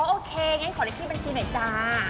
โอเคงั้นขอเรียกที่บัญชีไหมจ๊ะ